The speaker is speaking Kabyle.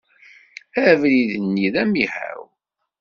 Abrid-nni d amihaw.